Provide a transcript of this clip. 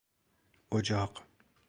اجاق